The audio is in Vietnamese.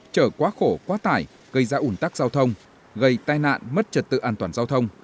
chở quá khổ quá tải gây ra ủn tắc giao thông gây tai nạn mất trật tự an toàn giao thông